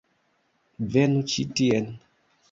Venu ĉi tien